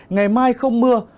ngày mai không mưa